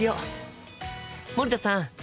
森田さん